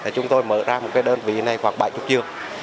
chúng tôi mở ra một đơn vị này khoảng bảy mươi chiều